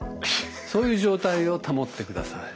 そういう状態を保ってください。